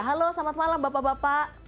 halo selamat malam bapak bapak